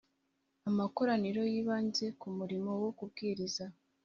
Amakoraniro yibanze ku murimo wo kubwiriza